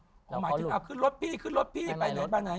หมายถึงเอาขึ้นรถพี่ขึ้นรถพี่ไปไหนมาไหน